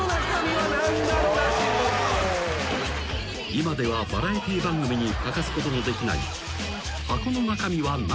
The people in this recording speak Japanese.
［今ではバラエティー番組に欠かすことのできない］